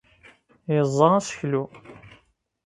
Yeẓẓa aseklu.